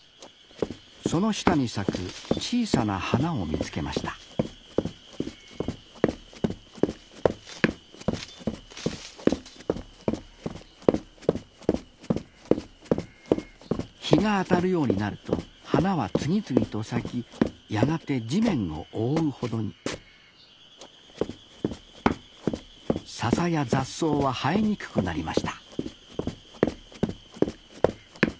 その下に咲く小さな花を見つけました日が当たるようになると花は次々と咲きやがて地面を覆うほどにササや雑草は生えにくくなりました